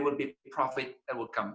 mereka akan mendapatkan keuntungan